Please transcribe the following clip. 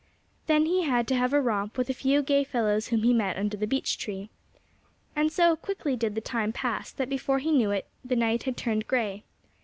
Then he had to have a romp with a few gay fellows whom he met under the beech tree. And so quickly did the time pass that before he knew it the night had turned gray.